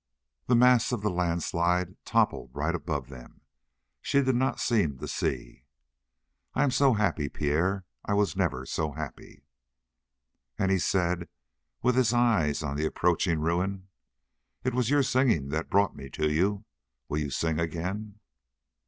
The mass of the landslide toppled right above them. She did not seem to see. "I'm so happy, Pierre. I was never so happy." And he said, with his eyes on the approaching ruin: "It was your singing that brought me to you. Will you sing again?"